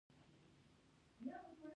او هغه ورته وائي چې دشمن تباه کړے ئې